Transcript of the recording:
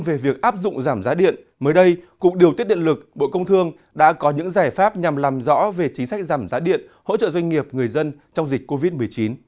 về việc áp dụng giảm giá điện mới đây cục điều tiết điện lực bộ công thương đã có những giải pháp nhằm làm rõ về chính sách giảm giá điện hỗ trợ doanh nghiệp người dân trong dịch covid một mươi chín